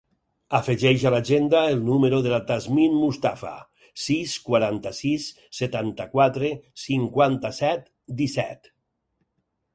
Afegeix a l'agenda el número de la Tasnim Mustafa: sis, quaranta-sis, setanta-quatre, cinquanta-set, disset.